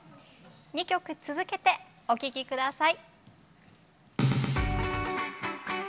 ２曲続けてお聴き下さい。